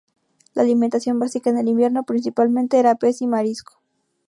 La alimentación básica, en el invierno, principalmente, era pez y marisco.